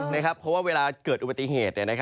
เพราะว่าเวลาเกิดอุบัติเหตุ